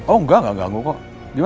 oh enggak enggak ganggu kok